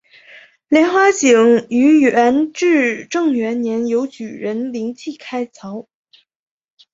莲花井于元至正元年由举人林济开凿。